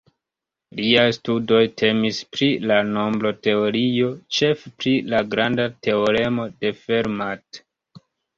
Liaj studoj temis pri la nombroteorio, ĉefe pri la granda teoremo de Fermat.